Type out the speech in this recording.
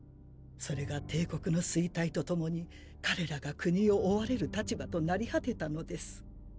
それが帝国の衰退とともに彼らが国を追われる立場となり果てたのです。